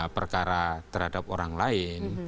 perkara terhadap orang lain